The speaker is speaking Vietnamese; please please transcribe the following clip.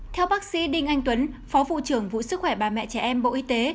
theo bác sĩ đinh anh tuấn phó vụ trưởng vụ sức khỏe bà mẹ trẻ em bộ y tế